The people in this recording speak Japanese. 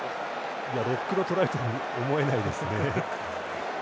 ロックのトライとは思えないですね。